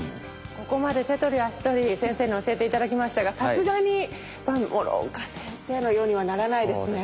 ここまで手取り足取り先生に教えて頂きましたがさすがに諸岡先生のようにはならないですね。